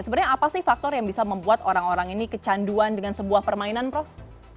sebenarnya apa sih faktor yang bisa membuat orang orang ini kecanduan dengan sebuah permainan prof